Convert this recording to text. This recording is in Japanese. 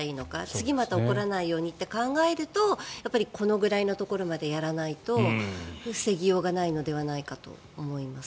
次また起こらないようにって考えるとこのぐらいのところまでやらないと防ぎようがないのではないかと思います。